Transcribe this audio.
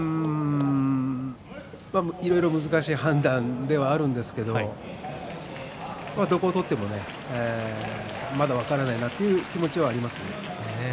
いろいろ難しい判断ではあるんですがどこを取ってもまだ分からないという気持ちがありますね。